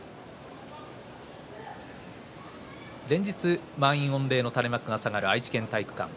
連日、満員御礼の垂れ幕が下がる愛知県体育館。